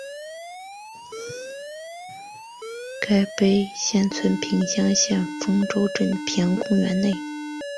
该碑现存平乡县丰州镇平安公园内。